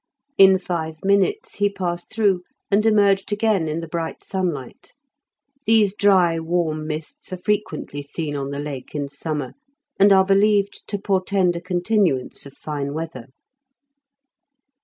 In five minutes he passed through and emerged again in the bright sunlight. These dry, warm mists are frequently seen on the Lake in summer, and are believed to portend a continuance of fine weather.